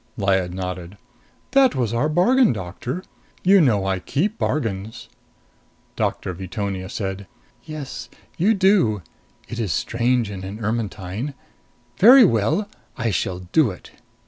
Lyad nodded. "That was our bargain, Doctor. You know I keep bargains." Doctor Veetonia said, "Yes. You do. It is strange in an Ermetyne. Very well! I shall do it."